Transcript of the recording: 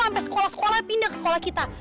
sampe sekolah sekolahnya pindah ke sekolah kita